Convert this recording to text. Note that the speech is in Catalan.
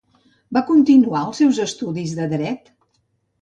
Va continuar els seus estudis de Dret?